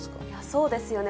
そうですよね。